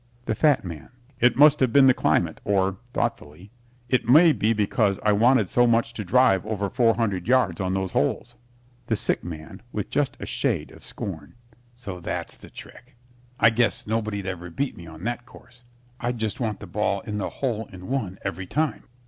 THE FAT MAN It must have been the climate, or (thoughtfully) it may be because I wanted so much to drive over four hundred yards on those holes. THE SICK MAN (with just a shade of scorn) So that's the trick. I guess nobody'd ever beat me on that course; I'd just want the ball in the hole in one every time.